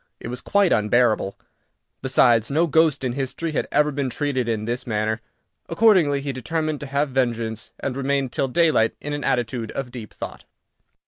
It was quite unbearable. Besides, no ghost in history had ever been treated in this manner. Accordingly, he determined to have vengeance, and remained till daylight in an attitude of deep thought.